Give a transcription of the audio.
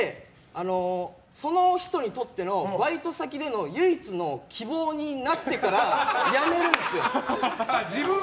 その人にとってのバイト先での唯一の希望になってから辞めるんですよ。